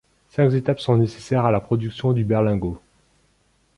Cinq étapes sont nécessaires à la production du berlingot.